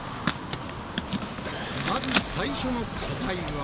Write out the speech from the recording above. まず最初の課題は？